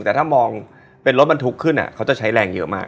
แต่ถ้ามองเป็นรถบรรทุกขึ้นเขาจะใช้แรงเยอะมาก